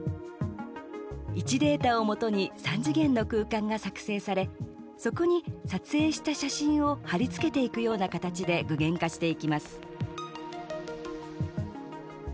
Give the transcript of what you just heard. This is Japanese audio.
位置データをもとに３次元の空間が作成されそこに撮影した写真を貼り付けていくような形で具現化していきます。